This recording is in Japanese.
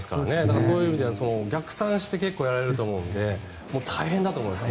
そういう意味では逆算してやられると思うので大変だと思いますね。